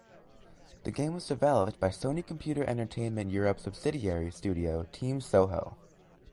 The game was developed by Sony Computer Entertainment Europe subsidiary studio Team Soho.